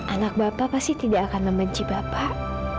anak bapak pasti tidak akan membenci bapak